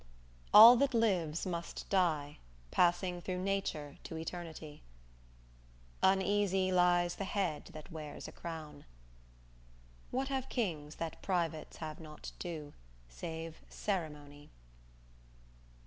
"All that lives must die, Passing through nature to eternity." "Uneasy lies the head that wears a crown." _"What have kings that privates have not too, Save ceremony?"